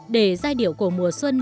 để giai điệu của mùa xuân